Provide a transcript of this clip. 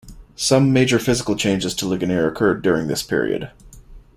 Some major physical changes to Ligonier occurred during this period.